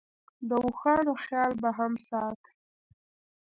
د اوښانو خیال به هم ساتې.